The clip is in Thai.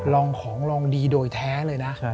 ลองของลองดีโดยแท้เลยนะ